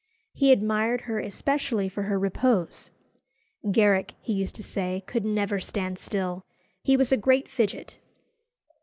He admired her especially for her repose. "Garrick," he used to say, "could never stand still. He was a great fidget."